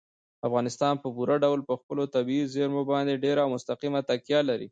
افغانستان په پوره ډول په خپلو طبیعي زیرمو باندې ډېره او مستقیمه تکیه لري.